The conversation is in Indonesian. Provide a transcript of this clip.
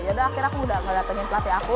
yaudah akhirnya aku udah gak datengin pelatih aku